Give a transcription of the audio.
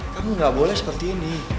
kamu nggak boleh seperti ini